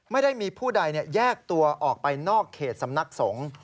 ไม่ได้มีผู้ใดแยกตัวออกไปนอกเขตสำนักสงฆ์